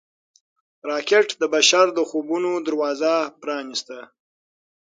راکټ د بشر د خوبونو دروازه پرانیسته